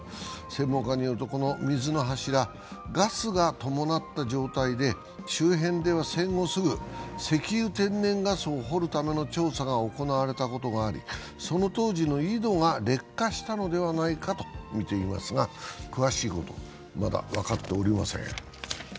専門家によると、この水の柱、ガスが伴った状態で周辺では戦後すぐ石油天然ガスを掘るための調査が行われたことがあり、その当時の井戸が劣化したのではないかとみていますが、詳しいことは、まだ分かっておりません。